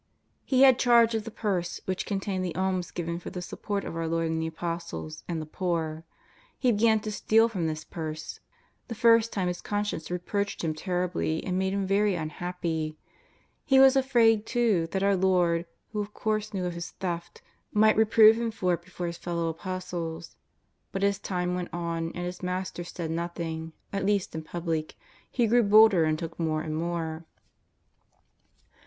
H6 had charge of the purse which contained the alms given for the support of our Lord and the Apostles, and the poor. He began to steal from this purse. The first time his conscience reproached him terribly and made him very unhappy. He was afraid, too, that our Lord, who of course knew of his theft, might re prove him for it before his fellow Apostles. But as time went on and his Master said nothing, at least in public, he grew bolder and took more and more.